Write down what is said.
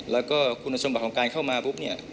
แล้วก็คุณสมบัติของการเข้ามาปุ๊บเนี่ย